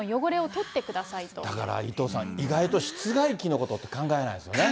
だから伊藤さん、意外と室外機のことって考えないですよね。